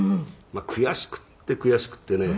「悔しくて悔しくてね」